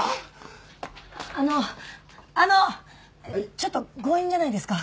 ちょっと強引じゃないですか？